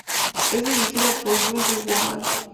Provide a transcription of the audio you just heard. Es dirigida por Yoo Je-won.